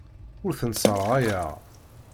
Ur tent-sserɣayeɣ.